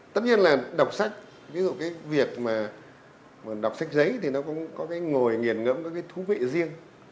tất nhiên là đọc sách ví dụ cái việc mà đọc sách giấy thì nó cũng có cái ngồi nghiền ngẫm có cái thú vị riêng